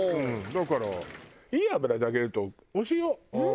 だからいい油で揚げるとおいしいよ。